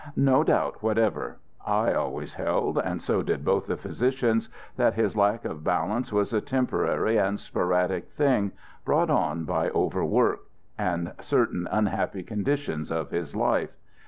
"No doubt whatever. I always held, and so did both the physicians, that his lack of balance was a temporary and sporadic thing, brought on by overwork and certain unhappy conditions of his life.